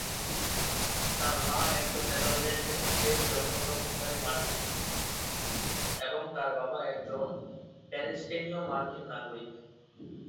তার মা একজন নেদারল্যান্ডে জন্মগ্রহণকারী মার্কিনী, এবং তার বাবা একজন প্যালেস্টিনীয়-মার্কিন নাগরিক।